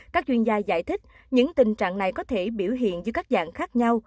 các chuyên gia giải thích những tình trạng này có thể biểu hiện dưới các dạng khác nhau